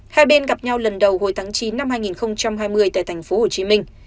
hai bên gặp nhau lần đầu hồi tháng chín năm hai nghìn hai mươi tại thành phố hồ chí minh